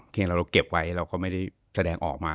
ที่เราเก็บไว้เราก็ไม่ได้แสดงออกมา